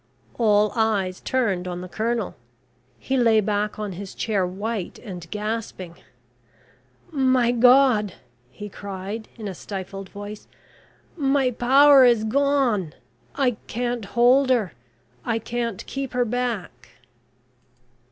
All eyes turned on the Colonel. He lay back on his chair white and gasping. "My God," he cried in a stifled voice. "My power is gone. I can't hold her. I can't keep her back."